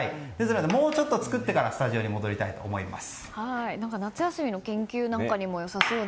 もうちょっと作ってからスタジオに戻りたいと思います。